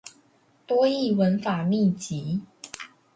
多益文法秘笈